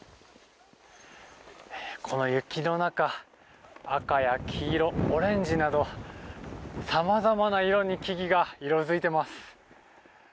この雪の中赤や黄色、オレンジなど様々な色に木々が色付いています。